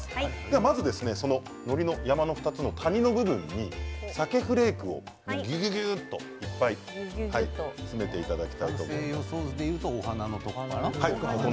まず、のりの山の２つの谷の部分にさけフレークをぎゅぎゅぎゅっといっぱい詰めていただきたいとお花のところかな？